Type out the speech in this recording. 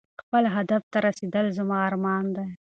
خپل هدف ته رسېدل زما ارمان دی.